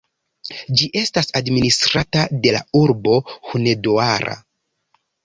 Ĝi estas administrata de la urbo Hunedoara.